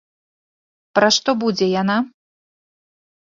Пра што будзе яна?